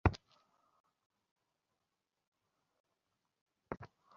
আমি না জানলেও আমার পরবর্তী বংশধর জানবে।